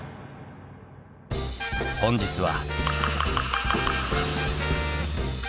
本日は。